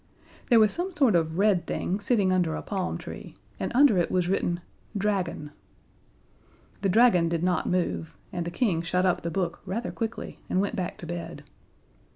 There was some sort of red thing sitting under a palm tree, and under it was written "Dragon." The Dragon did not move, and the King shut up the book rather quickly and went back to bed.